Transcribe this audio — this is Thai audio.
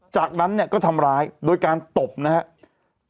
จากนั้นเนี่ยก็ทำร้ายโดยการตบนะครับ